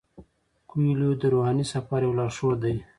کویلیو د روحاني سفر یو لارښود دی.